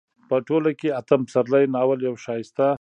په ټوله کې اتم پسرلی ناول يو ښايسته